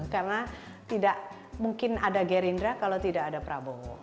karena tidak mungkin ada gerindra kalau tidak ada prabowo